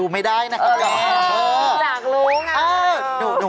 ปี่แวนล่ะรึ